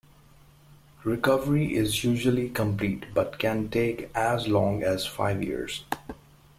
Recovery is usually complete, but can take as long as five years.